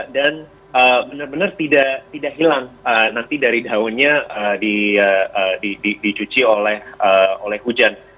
dan benar benar tidak hilang nanti dari daunnya dicuci oleh hujan